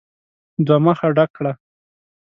دوه مخه ډک کړه !